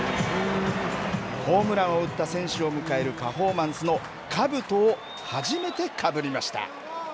ホームランを打った選手を迎えるパフォーマンスのかぶとを初めてかぶりました。